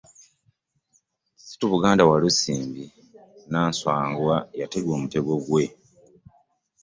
Kisitu Buganda Walusimbi Nansangwa yatega omutego gwe.